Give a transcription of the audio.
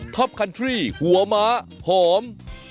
ท็อปคันทรี่หัวม้าพร้อม